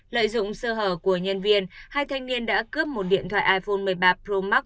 lợi dụng sơ hở của nhân viên hai thanh niên đã cướp một điện thoại iphone một mươi ba pro max